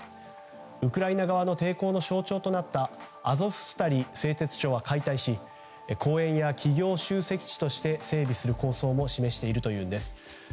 ウクライナ側の抵抗の象徴となったアゾフスタリ製鉄所は解体し公園や企業集積地として整備する予想もあるんです。